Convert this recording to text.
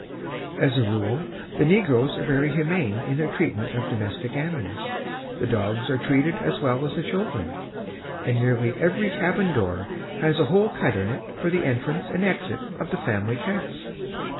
As a rule, the negroes are very humane in their treatment of domestic animals. The dogs are treated as well as the children, and nearly every cabin door has a hole cut in it for the entrance and exit of the family cats.